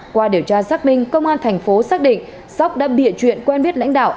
qua điều tra xác minh công an tp xác định sóc đã bịa chuyện quen viết lãnh đạo